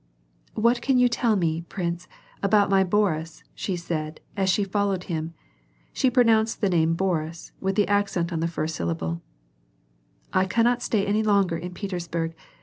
" What can you tell me, prince, about my Boris," she said, as she followed him (she pronounced the name Boris with the accent on the first syllable), " I cannot stay any longer in Petersburg.